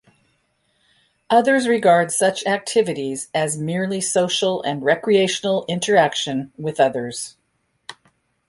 Others regard such activities as merely social and recreational interaction with others.